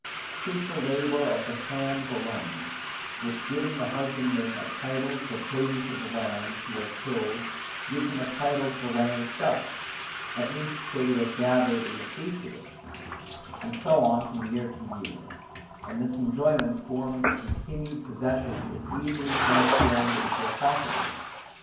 'Tis the labour of the hands alone, which giving the husbandman a title to the produce of the land he has tilled gives him a title to the land itself, at least till he has gathered in the fruits of it, and so on from year to year; and this enjoyment forming a continued possession is easily transformed into a property.